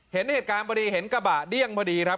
เห็นเหตุการณ์พอดีเห็นกระบะเดี้ยงพอดีครับ